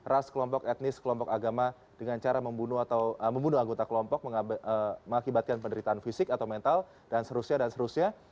ras kelompok etnis kelompok agama dengan cara membunuh atau membunuh anggota kelompok mengakibatkan penderitaan fisik atau mental dan seterusnya dan seterusnya